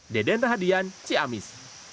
deden rahadian ciamis